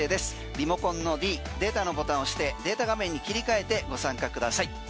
リモコンのｄデータのボタンを押してデータ画面に切り替えてご参加ください。